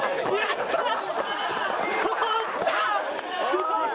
すごーい！